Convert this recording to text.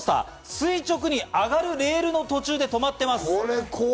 垂直に上がるレールの途中で止まっています。